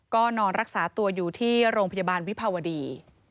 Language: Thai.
ก็นอนรักษาตัวอยู่ที่โรงพยาบาลวิภาวดี